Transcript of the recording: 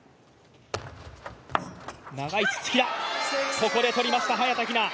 ここで取りました早田ひな。